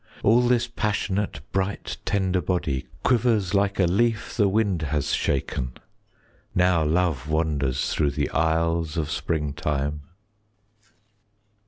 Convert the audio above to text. All this passionate bright tender body Quivers like a leaf the wind has shaken, Now love wanders through the aisles of springtime.